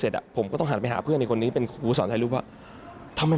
จนต้องเข้าไปอยู่ในคุกได้หรอพี่